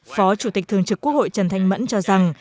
phó chủ tịch thường trực quốc hội trần thanh mẫn cho rằng